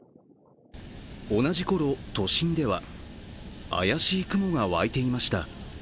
同じ頃、都心では怪しい雲が湧いていました。